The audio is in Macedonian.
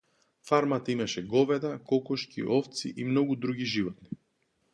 Фармата имаше говеда, кокошки, овци и многу други животни.